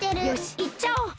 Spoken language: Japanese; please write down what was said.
よしいっちゃおう。